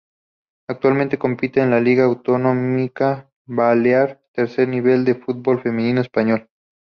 Actualmente compite en la Liga Autonómica balear, tercer nivel del fútbol femenino español.